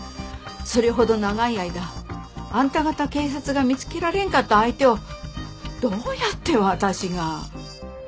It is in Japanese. それほど長い間あんた方警察が見つけられんかった相手をどうやって私が？